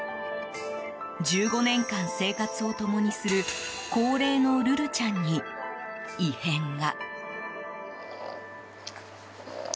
１５年間生活を共にする高齢のルルちゃんに異変が。